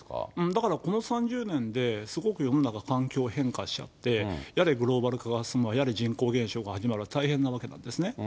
だからこの３０年ですごく世の中、環境が変化しちゃって、やれグローバル化が進むわ、やれ人口減少が始まるわ、大変なわけですね。